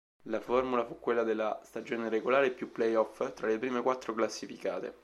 La formula fu quella della stagione regolare più "play-off" tra le prime quattro classificate.